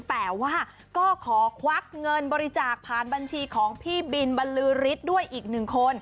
แต่ว่าก็ขอควักเงินบริจาคผ่านบัญชีของพี่บินบรรลือฤทธิ์ด้วยอีกหนึ่งคน